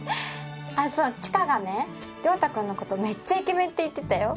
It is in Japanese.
あっそう千佳がね亮太君の事めっちゃイケメンって言ってたよ。